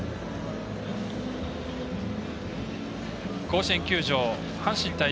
甲子園球場阪神対